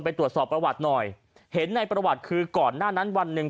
ตรวจสอบประวัติหน่อยเห็นในประวัติคือก่อนหน้านั้นวันหนึ่ง